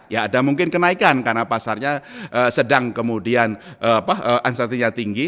ya ada mungkin kenaikan karena pasarnya sedang kemudian uncertinya tinggi